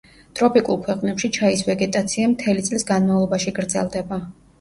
ტროპიკულ ქვეყნებში ჩაის ვეგეტაცია მთელი წლის განმავლობაში გრძელდება.